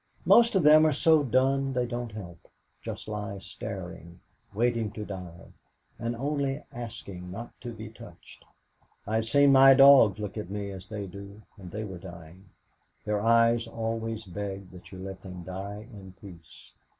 Most of them are so done they don't help just lie staring, waiting to die, and only asking not to be touched. I have seen my dogs look at me as they do when they were dying. Their eyes always beg that you let them die in peace.